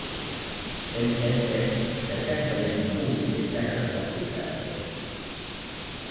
เอ็นเฮชเอสจะแจ้งไปยังผู้มีสิทธิ์ได้รับวัคซีนแต่ละคน